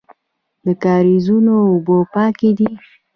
د کاریزونو اوبه پاکې دي